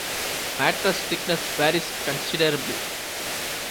Mattress thickness varies considerably.